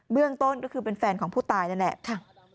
เรื่องต้นก็คือเป็นแฟนของผู้ตายนั่นแหละ